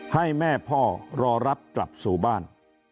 ให้แม่พ่อรอรับกลับสู่บ้าน